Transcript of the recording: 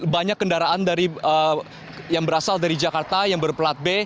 banyak kendaraan yang berasal dari jakarta yang berplat b